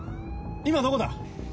今どこだ？